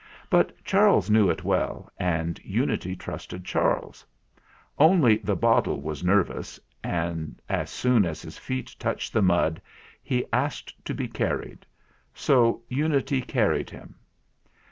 But Charles knew it well, and Unity trusted Charles. Only the bottle was nervous, and as soon as his feet touched THE GALLOPER 205 the mud he asked to be carried; so Unity car ried him.